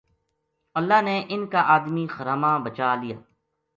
اللہ نے اِنھ کا ادمی خراما بچا لیا